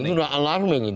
itu udah alarming